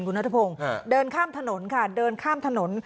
คุณนัทพงศ์เดินข้ามถนนค่ะเดินข้ามถนน